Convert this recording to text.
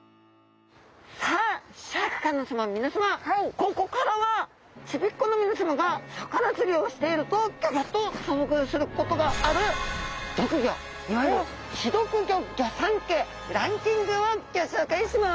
ここからはちびっ子の皆さまが魚釣りをしているとギョギョッと遭遇することがある毒魚いわゆる刺毒魚ギョ三家ランキングをギョ紹介します。